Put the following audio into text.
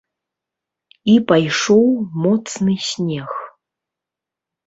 І пайшоў моцны снег.